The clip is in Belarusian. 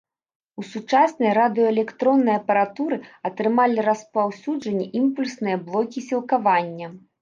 У сучаснай радыёэлектроннай апаратуры атрымалі распаўсюджанне імпульсныя блокі сілкавання.